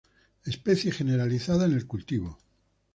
Especie generalizada en el cultivo.